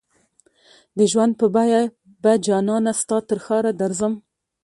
د ژوند په بیه به جانانه ستا ترښاره درځم